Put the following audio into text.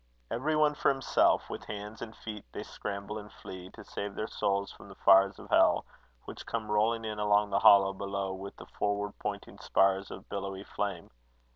Every one for himself, with hands and feet they scramble and flee, to save their souls from the fires of hell which come rolling in along the hollow below with the forward 'pointing spires' of billowy flame.